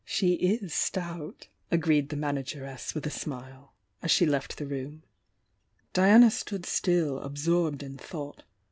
"She is stout," agreed the manageress with a smile, as she left the room. Diana stood still, absorbed in thought.